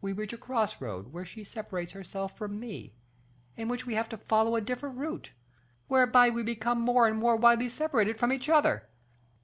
we reach a cross road, where she separates herself from me, in which we have to follow a different route, whereby we become more and more widely separated from each other.